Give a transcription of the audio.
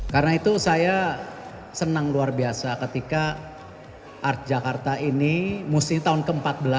karena itu saya senang luar biasa ketika art jakarta ini musim tahun ke empat belas